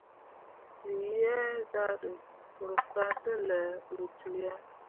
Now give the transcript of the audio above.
We yea zah ɗə, ruu ka tə laa ɓə cuu ya.